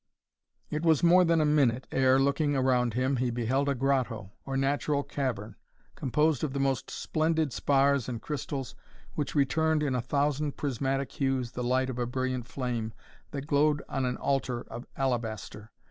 It was more than a minute, ere, looking around him, he beheld a grotto, or natural cavern, composed of the most splendid spars and crystals, which returned in a thousand prismatic hues the light of a brilliant flame that glowed on an altar of alabaster.